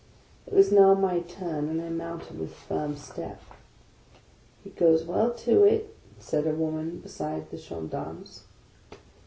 It was now my turn, and I mounted with a firm step. " He goes well to it !" said a woman beside the gendarmes.